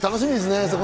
楽しみですね。